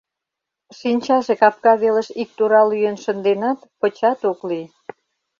Шинчаже капка велыш ик тура лӱен шынденат, пычат ок лий.